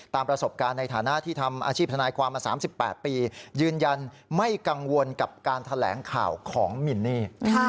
ประสบการณ์ในฐานะที่ทำอาชีพทนายความมา๓๘ปียืนยันไม่กังวลกับการแถลงข่าวของมินนี่